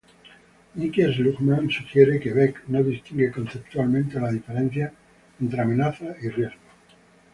Niklas Luhmann sugiere que Beck no distingue conceptualmente la diferencia entre amenaza y riesgo.